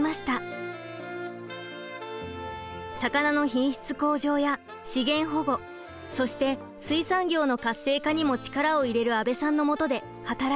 「魚の品質向上や資源保護そして水産業の活性化にも力を入れる阿部さんのもとで働いてみたい」。